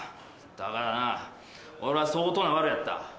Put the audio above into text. だからな俺は相当なワルやった。